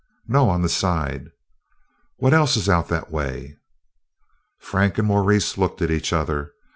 "No, on the side." "What else is out that way?" Frank and Maurice looked at each other.